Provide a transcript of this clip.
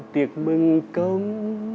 tiệc mừng công